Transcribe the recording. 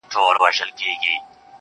هغه لمرینه نجلۍ تور ته ست کوي.